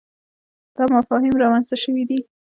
دا مفاهیم رامنځته شوي دي.